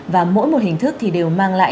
và mỗi một hình thức đều mang lại